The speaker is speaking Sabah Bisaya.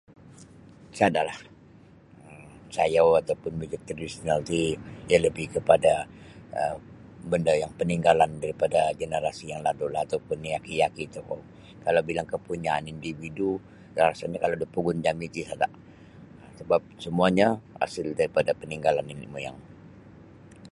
Sada'lah um sayau atau pun miuzik tradisional ti iyo lebih kepada um benda yang paninggalan daripada jenerasi yang lalulah atau pun yaki-yaki tokou kalau bilang kepunyaan indidvidu rasanyo kalau da pogun jami ti sada semuanyo asil daripada peninggalan nenek moyang.